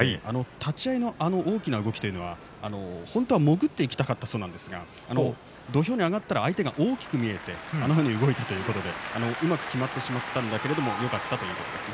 立ち合いの、あの大きな動きというのは本当は潜っていきたかったそうなんですが土俵に上がったら相手が大きく見えてあんなふうに動いたということでうまくきまってしまったんだけれどもよかったと言ってました。